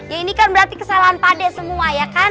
ya ini kan berarti kesalahan pandai semua ya kan